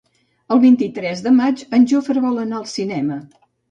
El vint-i-tres de maig en Jofre vol anar al cinema.